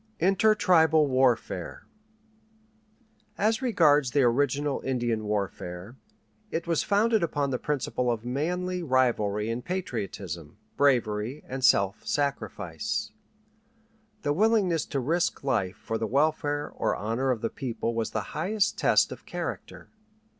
INTERTRIBAL WARFARE As regards the original Indian warfare, it was founded upon the principle of manly rivalry in patriotism, bravery, and self sacrifice. The willingness to risk life for the welfare or honor of the people was the highest test of character.